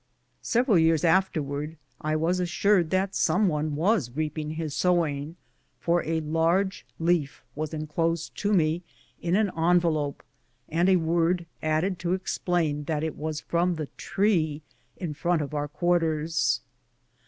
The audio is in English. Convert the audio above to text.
Several years afterwards I was assured that some one was reaping his sowing, for a large leaf was enclosed to me in an envelope, and a word added to explain that it w^as from the tree in front of our quarters.